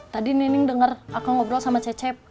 tadi neneng denger akang ngobrol sama cecep